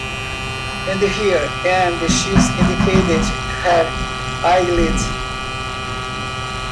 “And here,” and she indicated her eyelid.